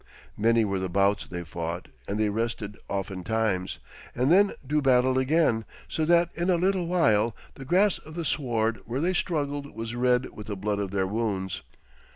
Many were the bouts they fought, and they rested oftentimes, and then to battle again, so that in a little while the grass of the sward where they struggled was red with the blood of their wounds.